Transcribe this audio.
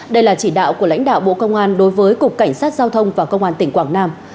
đây là chỉ đạo của lãnh đạo bộ công an đối với cục cảnh sát giao thông và công an tỉnh quảng nam